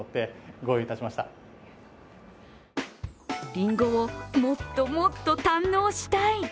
りんごをもっともっと堪能したい。